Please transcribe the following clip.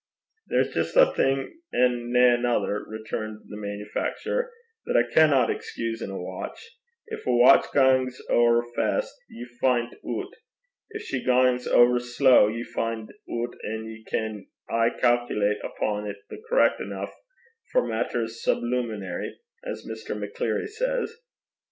'There's just ae thing, an' nae anither,' returned the manufacturer, 'that I cannot excuse in a watch. Gin a watch gangs ower fest, ye fin' 't oot. Gin she gangs ower slow, ye fin' 't oot, an' ye can aye calculate upo' 't correck eneuch for maitters sublunairy, as Mr. Maccleary says.